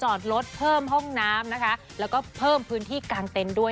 จอดรถเพิ่มห้องน้ำนะคะแล้วก็เพิ่มพื้นที่กลางเต็นต์ด้วย